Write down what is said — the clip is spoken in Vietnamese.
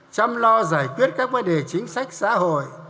chăm lo giải quyết các vấn đề chính sách xã hội